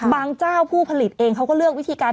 เจ้าผู้ผลิตเองเขาก็เลือกวิธีการ